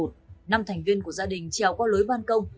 năm thành viên của gia đình trèo qua lối ban công